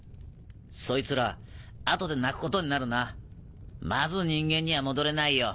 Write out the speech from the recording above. そいつら後で泣くことになるなまず人間には戻れないよ。